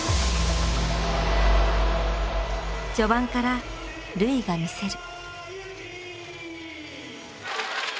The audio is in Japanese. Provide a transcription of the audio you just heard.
序盤から瑠唯がみせる。